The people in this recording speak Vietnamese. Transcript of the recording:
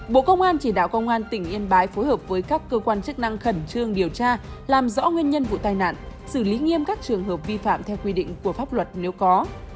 bộ công an chỉ đạo công an tỉnh yên bái phối hợp với các cơ quan chức năng khẩn trương điều tra làm rõ nguyên nhân vụ tai nạn xử lý nghiêm các trường hợp vi phạm theo quy định của pháp luật nếu có